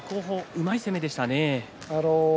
うまい攻めでしたね。